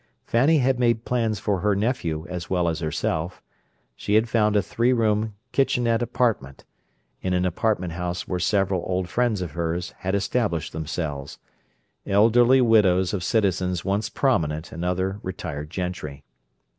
Fanny had made plans for her nephew as well as herself; she had found a three room "kitchenette apartment" in an apartment house where several old friends of hers had established themselves—elderly widows of citizens once "prominent" and other retired gentry.